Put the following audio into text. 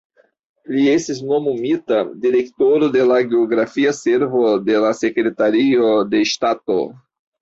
Li estis nomumita direktoro de la geografia servo de la Sekretario de Ŝtato.